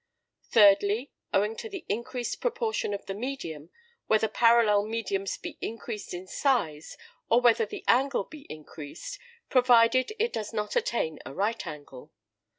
Thirdly, owing to the increased proportion of the medium, whether parallel mediums be increased in size, or whether the angle be increased, provided it does not attain a right angle.